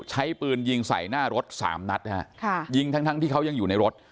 ใช้ปืนยิงใส่หน้ารถสามนัดฮะค่ะยิงทั้งทั้งที่เขายังอยู่ในรถ